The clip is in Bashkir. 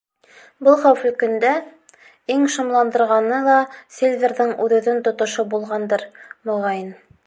Был хәүефле көндә иң шомландырғаны ла Сильверҙың үҙ-үҙен тотошо булғандыр, моғайын.